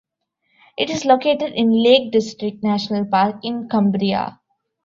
It is located in Lake District National Park, in Cumbria.